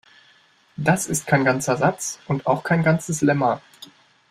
Das ist kein ganzer Satz und auch kein ganzes Lemma.